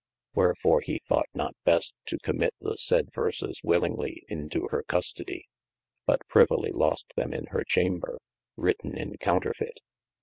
Wherfore he thought not best to commit the sayde verses willingly into hir custodie, but privily lost them in hir chamber, written in counterfeit.